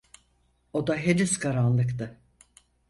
Oda henüz karanlıktı.